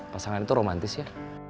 pasangan itu romantis ya